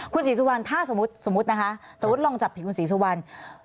คุณศีรษะวันสมมติลองจับคุณศีรษะวัน